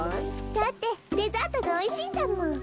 だってデザートがおいしいんだもん。